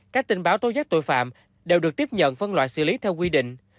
các tình báo tối giác tội phạm đều được tiếp nhận phân loại xử lý theo quy định